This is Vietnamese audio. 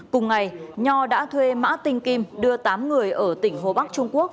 cùng ngày nho đã thuê mã tinh kim đưa tám người ở tỉnh hồ bắc trung quốc